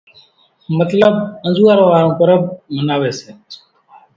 مطلٻ انزوئارا وارون پرٻ مناوي سي۔